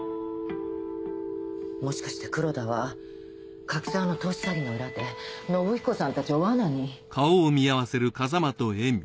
もしかして黒田は柿沢の投資詐欺の裏で信彦さんたちを罠に。